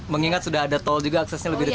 mengingat sudah ada tol juga aksesnya lebih dekat